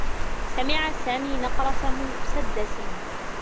سمع سامي نقرة مسدّس.